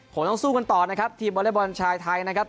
คงต้องสู้กันต่อนะครับทีมวอเล็กบอลชายไทยนะครับ